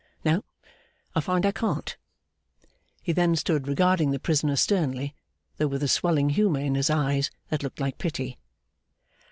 No; I find I can't!' He then stood regarding the prisoner sternly, though with a swelling humour in his eyes that looked like pity.